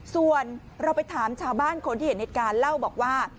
ส่วนเราไปถามชาวบ้านคนที่เห็นเหตุการณ์เล่าบอกว่า